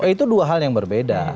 itu dua hal yang berbeda